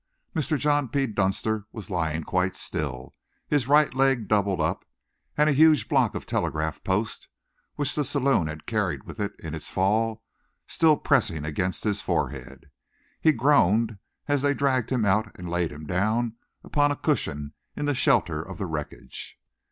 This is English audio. Mr. John P. Dunster was lying quite still, his right leg doubled up, and a huge block of telegraph post, which the saloon had carried with it in its fall, still pressing against his forehead. He groaned as they dragged him out and laid him down upon a cushion in the shelter of the wreckage.